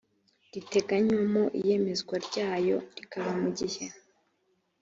giteganywamo iyemezwa ryayo rikaba mu gihe